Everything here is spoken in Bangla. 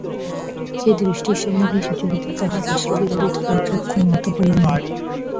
সেই দৃষ্টির সন্মুখে সুচরিতা তাহার আশ্রুবিগলিত দুই চক্ষু নত করিল না।